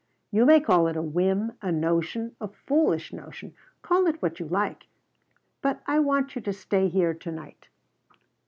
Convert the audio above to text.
"You may call it a whim, a notion, foolish notion; call it what you like, but I want you to stay here to night."